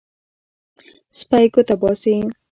سپی ګوته باسي.